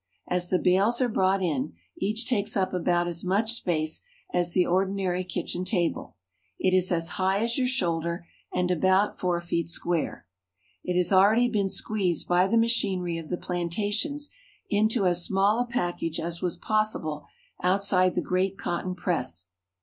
As the bales are brought in, each takes up about as much space as the ordinary kitchen table. It is as high as your shoulder and about four feet square. It has al On the Wharves at New Orleans. ready been squeezed by the machinery of the plantations into as small a package as was possible outside the great cotton press.